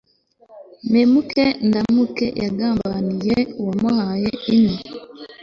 mpemuke ndamuke yagambaniye uwamuhaye inka